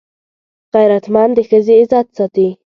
غیرتمند د ښځې عزت ساتي